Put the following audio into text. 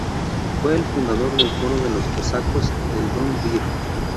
Fue el fundador del coro de los cosacos del Don Dir.